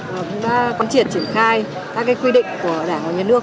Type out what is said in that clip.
cũng đã quan triển triển khai các quy định của đảng và nhân nước